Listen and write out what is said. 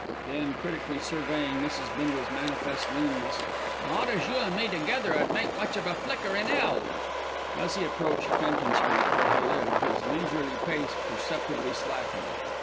Then, critically surveying Mrs. Bindle's manifest leanness, "Not as you an' me together 'ud make much of a flicker in 'ell." As he approached Fenton Street, where he lived, his leisurely pace perceptibly slackened.